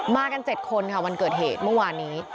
กัน๗คนค่ะวันเกิดเหตุเมื่อวานนี้